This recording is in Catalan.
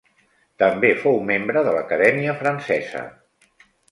També fou membre de l'Acadèmia Francesa.